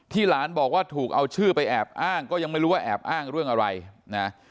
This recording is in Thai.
หลานบอกว่าถูกเอาชื่อไปแอบอ้างก็ยังไม่รู้ว่าแอบอ้างเรื่องอะไรนะ